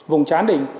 vùng chán đỉnh